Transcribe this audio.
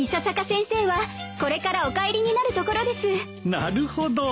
なるほど。